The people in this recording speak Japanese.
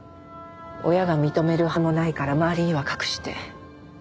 親が認めるはずもないから周りには隠して。